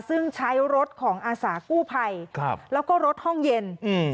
ซึ่งใช้รถของอาสากู้ภัยครับแล้วก็รถห้องเย็นอืม